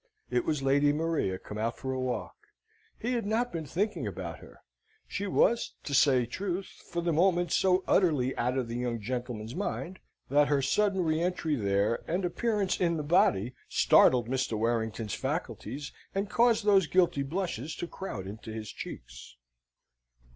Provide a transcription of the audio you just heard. It was Lady Maria come out for a walk. He had not been thinking about her. She was, to say truth, for the moment so utterly out of the young gentleman's mind, that her sudden re entry there and appearance in the body startled Mr. Warrington's faculties, and caused those guilty blushes to crowd into his cheeks.